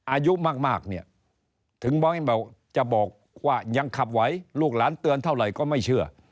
อายุมากเนี่ยถึงจะบอกว่ายังขับไหวลูกหลานเตือนเท่าไหร่ก็ไม่เชื่อ